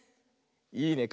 いいね。